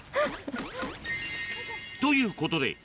ということでと！